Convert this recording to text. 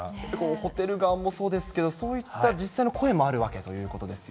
ホテル側もそうですけど、そういった実際の声もあるわけということですが。